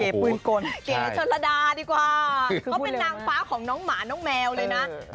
เขาเป็นนางฟ้าของน้องหมาน้องแมวเลยนะ